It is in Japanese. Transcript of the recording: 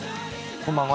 こんばんは。